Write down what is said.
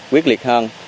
quyết liệt hơn